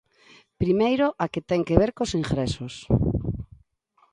Primeiro, a que ten que ver cos ingresos.